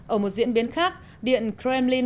ở một diễn biến khác điện kremlin